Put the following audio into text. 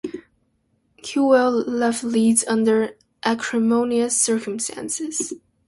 Kewell left Leeds under acrimonious circumstances.